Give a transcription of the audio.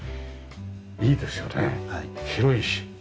いいですよね広いし。